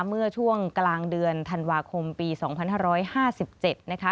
เมื่อช่วงกลางเดือนธันวาคมปี๒๕๕๗นะคะ